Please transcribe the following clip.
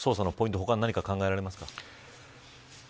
他に何か考えられますか。